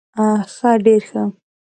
ښه ډير ښه